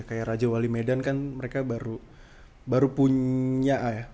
kayak raja wali medan kan mereka baru punya ya